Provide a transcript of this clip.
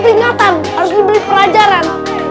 peringatan harus dibeli pelajaran